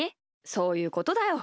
そういうことだよ。